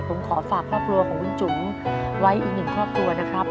ผมขอฝากครอบครัวของคุณจุ๋มไว้อีกหนึ่งครอบครัวนะครับ